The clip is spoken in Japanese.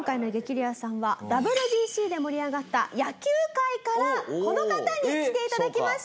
レアさんはＷＢＣで盛り上がった野球界からこの方に来ていただきました！